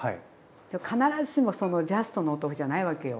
必ずしもそのジャストのお豆腐じゃないわけよ。